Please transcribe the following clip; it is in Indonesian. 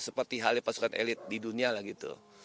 seperti halnya pasukan elit di dunia lah gitu